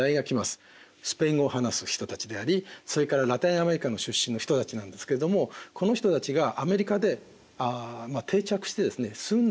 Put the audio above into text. スペイン語を話す人たちでありそれからラテンアメリカの出身の人たちなんですけれどもこの人たちがアメリカで定着してですね住んでいくということになる。